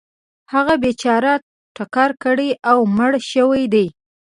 هغه بیچاره ټکر کړی او مړ شوی دی .